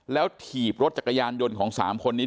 แล้วถีบรถจักรยานยนต์ของ๓คนนี้